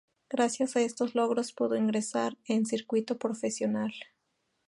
Gracias a estos logros pudo ingresar en el circuito profesional.